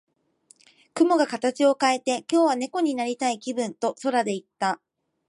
雲が形を変えて、「今日は猫になりたい気分」と空で言った。